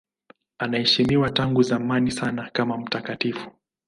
Anaheshimiwa tangu zamani sana kama mtakatifu.